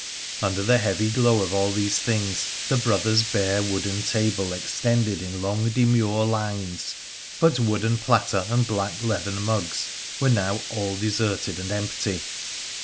Under the heavy glow of all these things the Brothers' bare wooden table extended in long demure lines ; but wooden platter and black leathern mugs were now all deserted and empty.